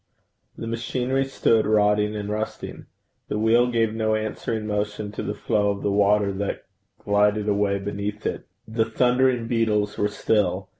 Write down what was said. The machinery stood rotting and rusting. The wheel gave no answering motion to the flow of the water that glided away beneath it. The thundering beatles were still.